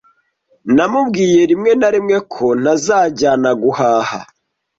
Namubwiye rimwe na rimwe ko ntazajyana guhaha.